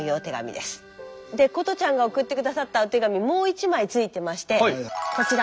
で琴ちゃんが送って下さったお手紙もう１枚ついてましてこちら。